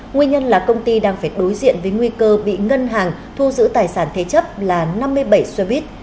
nguyên nhân là công ty đang phải đối diện với nguy cơ bị ngân hàng thu giữ tài sản thế chấp là năm mươi bảy xe buýt